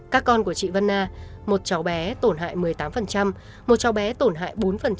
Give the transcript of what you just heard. các con của chị vân nga một cháu bé tổn hại một mươi tám một cháu bé tổn hại bốn